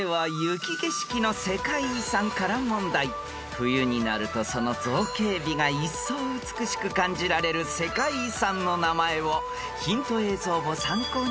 ［冬になるとその造形美がいっそう美しく感じられる世界遺産の名前をヒント映像を参考にお答えください］